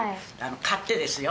買ってですよ